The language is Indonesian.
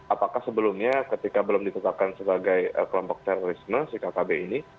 apakah sebelumnya ketika belum ditetapkan sebagai kelompok terorisme si kkb ini